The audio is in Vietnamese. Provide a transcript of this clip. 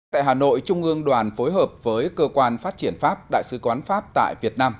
tại hà nội trung ương đoàn phối hợp với cơ quan phát triển pháp đại sứ quán pháp tại việt nam